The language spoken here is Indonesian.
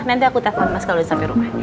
nanti aku telfon mas kalau udah sampai rumah